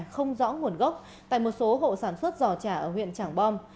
không rõ nguồn gốc tại một số hộ sản xuất giò trả ở huyện tràng bom